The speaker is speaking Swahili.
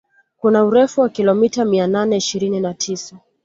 Kuna urefu wa kilomita mia nane ishirini na tisa